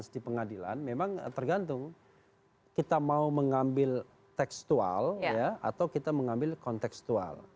di pengadilan memang tergantung kita mau mengambil tekstual atau kita mengambil kontekstual